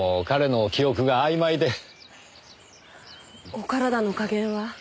お体の加減は？